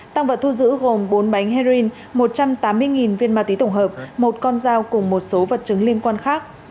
tăng vật thu giữ gồm bốn bánh heroin một trăm tám mươi viên ma túy tổng hợp một con dao cùng một số vật chứng liên quan khác